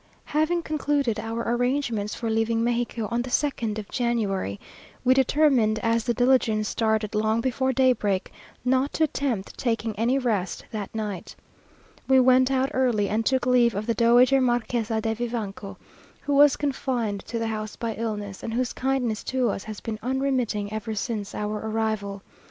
Having concluded our arrangements for leaving Mexico on the 2nd of January, we determined, as the diligence started long before daybreak, not to attempt taking any rest that night. We went out early, and took leave of the Dowager Marquésa de Vivanco, who was confined to the house by illness, and whose kindness to us has been unremitting ever since our arrival.